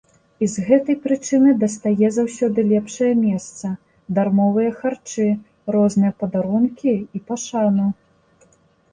І з гэтай прычыны дастае заўсёды лепшае месца, дармовыя харчы, розныя падарункі і пашану.